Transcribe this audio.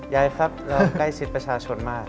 ใหญ่ครับแล้วก็ใกล้ชิดประชาชนมาก